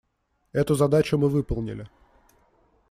Эту задачу мы выполнили.